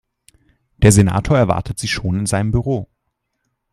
Der Senator erwartet Sie schon in seinem Büro.